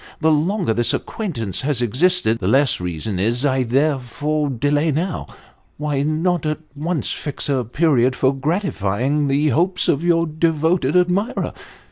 The longer this acquaintance has existed, the less reason is there for delay now. Why not at once fix a period for gratifying the hopes of your devotod admirer ?